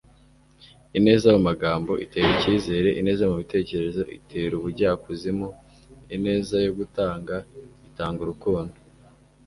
ineza mu magambo itera icyizere. ineza mu bitekerezo itera ubujyakuzimu. ineza yo gutanga itanga urukundo